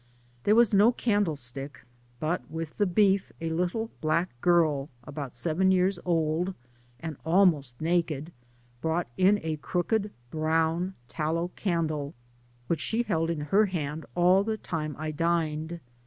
There was no candlesticlc, but, with the beef, a little black girl about seven years old, and almost naked, brought in a crooked, brown, tallow candle, which she held in her hand all the time I dined.